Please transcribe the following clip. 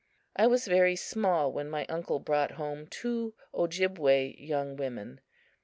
I was very small when my uncle brought home two Ojibway young women.